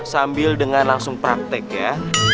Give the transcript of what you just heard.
sambil dengan langsung praktek ya